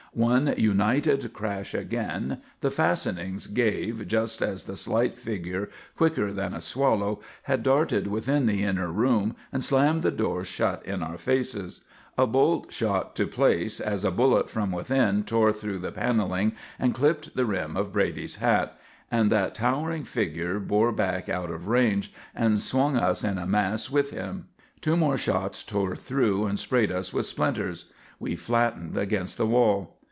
One united crash again, the fastenings gave just as the slight figure, quicker than a swallow, had darted within the inner room and slammed the door shut in our faces. A bolt shot to place as a bullet from within tore through the panelling and clipped the rim of Brady's hat, and that towering figure bore back out of range and swung us in a mass with him. Two more shots tore through and sprayed us with splinters. We flattened against the wall.